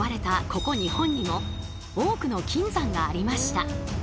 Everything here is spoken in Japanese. ここ日本にも多くの金山がありました。